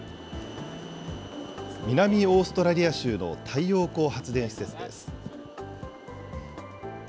南オーストラリア州の太陽光発電施設です。